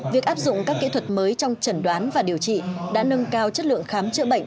việc áp dụng các kỹ thuật mới trong chẩn đoán và điều trị đã nâng cao chất lượng khám chữa bệnh